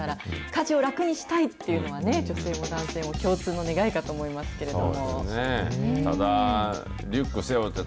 家事を楽にしたいっていうのはね、女性も男性も共通の願いだと思いますけど。